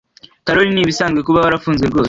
Karoli ni ibisanzwe kuba warafunzwe rwose.